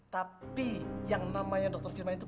tapi yang namanya dr firman itu